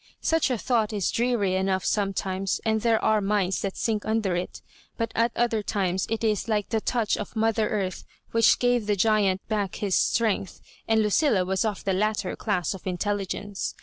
Such a thought is dreary enough some times, and there are minds that sink under it; but at other times it is like the touch of the mother earth which gave the giant back his strength, and Lucilla was of the latter class of intelligence.